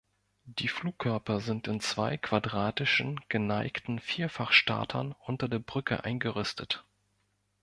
Die Flugkörper sind in zwei quadratischen geneigten Vierfach-Startern unter der Brücke eingerüstet.